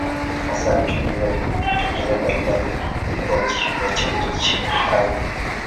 Hasa alichunguza vipengele mbalimbali vya ukuaji wa chembe hai.